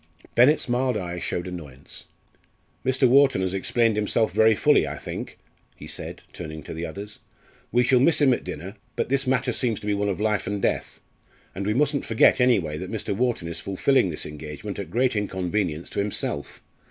Bennett's mild eye showed annoyance. "Mr. Wharton has explained himself very fully, I think," he said, turning to the others. "We shall miss him at dinner but this matter seems to be one of life and death. And we mustn't forget anyway that Mr. Wharton is fulfilling this engagement at great inconvenience to himself.